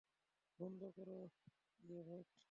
বন্ধ কর, ইয়েভেট।